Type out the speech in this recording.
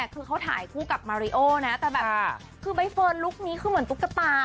คือเขาถ่ายคู่กับมาริโอนะแต่แบบคือใบเฟิร์นลุคนี้คือเหมือนตุ๊กตา